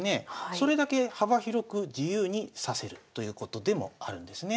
それだけ幅広く自由に指せるということでもあるんですね。